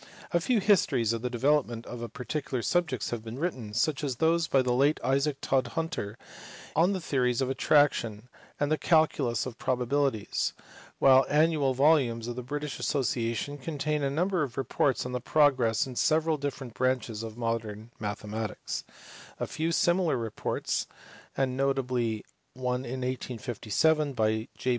A few histories of the development of particular subjects have been written such as those by the late Isaac Todhunter on the theories of attraction and on the calculus of probabilities while the annual volumes of the British Asso ciation contain a number of reports on the progress in several different branches of modern mathematics ; a few similar reports (and notably one in 1857 by J.